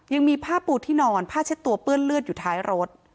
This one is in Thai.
ยังมีผ้าปูที่นอนผ้าเช็ดตัวเปื้อนเลือดอยู่ท้ายรถ